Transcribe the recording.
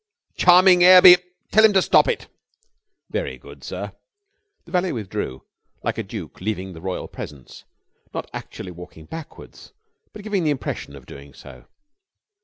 "Charming air be ! Tell him to stop it." "Very good, sir." The valet withdrew like a duke leaving the royal presence, not actually walking backwards, but giving the impression of doing so.